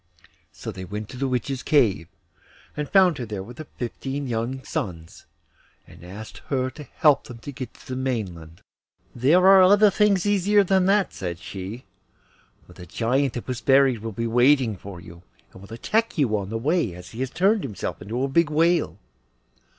So they went to the Witch's cave, and found her there with her fifteen young sons, and asked her to help them to get to the mainland. 'There are other things easier than that,' said she, 'for the Giant that was buried will be waiting for you, and will attack you on the way, as he has turned himself into a big whale.